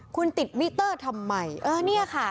คุณติดมิเตอร์ทำไมเออเนี่ยค่ะ